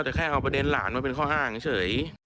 แต่แค่เอาประเด็นหลานมาเป็นข้อห้างเฉย